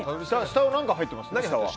下は何が入ってますか？